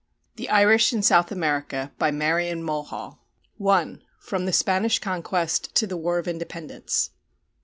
1, p. 229. THE IRISH IN SOUTH AMERICA By MARION MULHALL. I. FROM THE SPANISH CONQUEST TO THE WAR OF INDEPENDENCE.